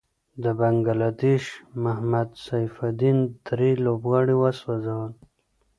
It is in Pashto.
د بنګله دېش محمد سيف الدين دری لوبغاړی وسوځل.